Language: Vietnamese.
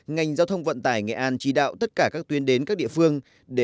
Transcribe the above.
ngành giao thông vận tải nghệ an chỉ đạo tất cả các tuyến đến các địa phương